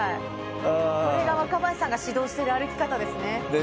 これが若林さんが指導している歩き方ですね。